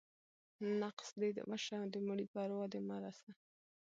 ـ نقص دې وشه ، د مړي په اروا دې مه رسه.